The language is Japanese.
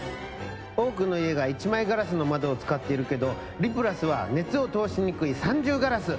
多くの家が一枚ガラスの窓を使っているけど「リプラス」は熱を通しにくい三重ガラス。